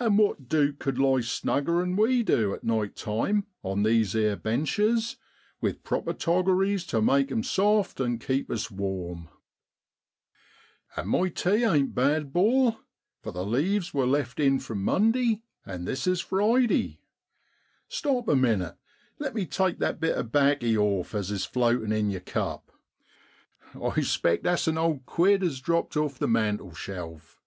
An' what duke cud lie snugger 'an we do at night time on these ere benches, with proper toggeries to make 'em soft an' keep us warm ? 'An' my tea ain't bad, 'bor, for the leaves wor left in from Monday, and this is Friday. Stop a minnit, let me take that bit of 'baccy off as is floatin' in yer cup ; I'spect that's an old quid as dropped off the mantel shelf!